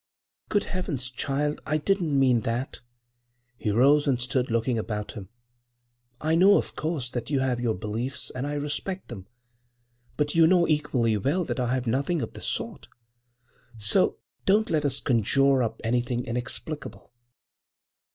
"Good heavens, child, I didn't mean that!" He rose and stood looking about him. "I know, of course, that you have your beliefs, and I respect them, but you know equally well that I have nothing of the sort! So—don't let us conjure up anything inexplicable."